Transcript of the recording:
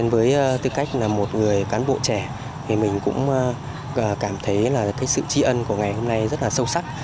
với tư cách là một người cán bộ trẻ thì mình cũng cảm thấy là cái sự tri ân của ngày hôm nay rất là sâu sắc